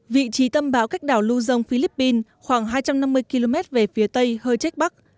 vị trí tâm bão cách đảo lưu dông philippines khoảng hai trăm năm mươi km về phía tây hơi trách bắc